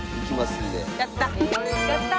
やった！